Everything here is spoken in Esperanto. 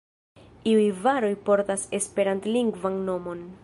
Iuj varoj portas Esperantlingvan nomon.